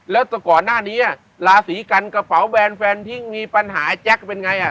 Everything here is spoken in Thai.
แล้วแต่ก่อนหน้านี้ราศีกันกระเป๋าแบรนด์แฟนทิ้งมีปัญหาไอแจ๊คเป็นไง